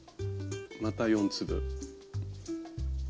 また４粒。